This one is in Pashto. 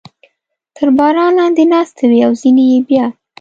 تر باران لاندې ناستې وې او ځینې یې بیا.